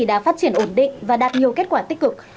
đã phát triển ổn định và đạt nhiều kết quả tích cực